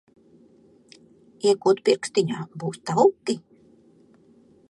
Iekod pirkstiņā, būs tauki.